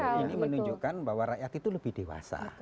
nah ini menunjukkan bahwa rakyat itu lebih dewasa